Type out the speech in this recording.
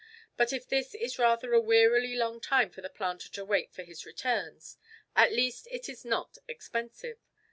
But if this is rather a wearily long time for the planter to wait for his returns, at least it is not expensive.